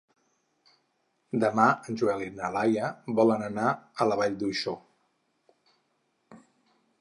Demà en Joel i na Laia volen anar a la Vall d'Uixó.